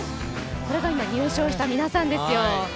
これが今、入賞した皆さんですよ。